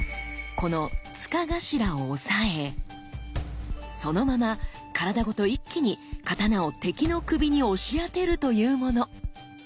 この柄頭を押さえそのまま体ごと一気に刀を敵の首に押し当てるというもの。